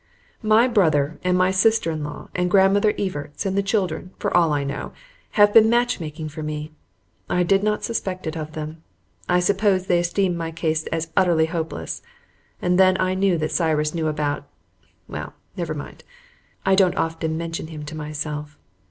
My brother and my sister in law and Grandmother Evarts and the children, for all I know, have all been match making for me. I did not suspect it of them. I supposed they esteemed my case as utterly hopeless, and then I knew that Cyrus knew about well, never mind; I don't often mention him to myself.